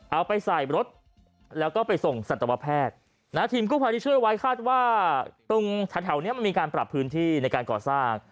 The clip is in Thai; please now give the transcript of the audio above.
เอาไปใส่รถแล้วก็ไปส่งสัตวแพทย์ทีมกู้ภัยที่ช่วยไว้คาดว่าตรงแถวนี้มันมีการปรับพื้นที่ในการก่อสร้าง